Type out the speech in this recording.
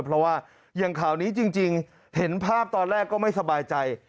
เพราะว่าอย่างข่าวนี้จริงเห็นภาพตอนแรกก็ไม่สบายใจ